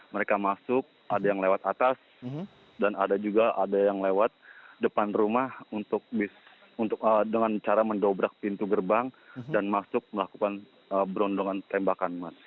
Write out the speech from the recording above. mereka masuk ada yang lewat atas dan ada juga ada yang lewat depan rumah dengan cara mendobrak pintu gerbang dan masuk melakukan berondongan tembakan mas